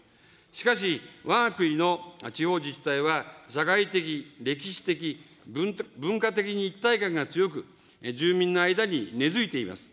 しかし、わが国の地方自治体は、社会的、歴史的、文化的に一体感が強く、住民の間に根づいています。